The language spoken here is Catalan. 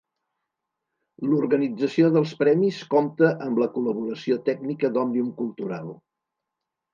L'organització dels premis compta amb la col·laboració tècnica d'Òmnium Cultural.